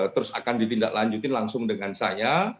terus akan ditindaklanjutin langsung dengan saya